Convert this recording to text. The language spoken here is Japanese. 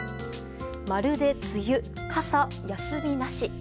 まるで梅雨、傘休みなし。